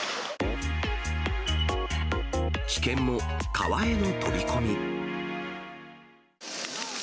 危険も、川への飛び込み。